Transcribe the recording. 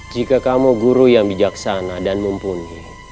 jika kamu guru yang bijaksana dan mumpuni